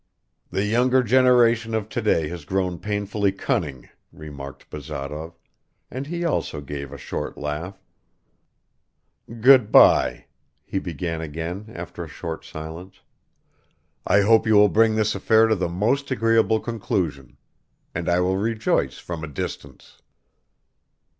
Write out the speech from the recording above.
"The younger generation of today has grown painfully cunning," remarked Bazarov, and he also gave a short laugh. "Good by," he began again after a short silence. "I hope you will bring this affair to the most agreeable conclusion; and I will rejoice from a distance."